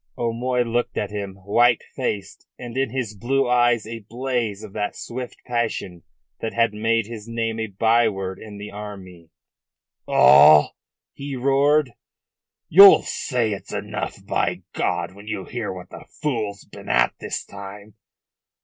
O'Moy looked at him, white faced, and in his blue eyes a blaze of that swift passion that had made his name a byword in the army. "All?" he roared. "You'll say it's enough, by God, when you hear what the fool's been at this time.